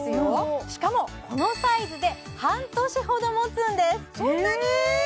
しかもこのサイズで半年ほどもつんですそんなに！？